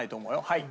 はい。